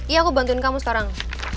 ya aku bantuin kamu sekarang